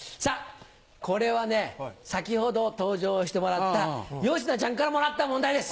これはね先ほど登場してもらったよしなちゃんからもらった問題です。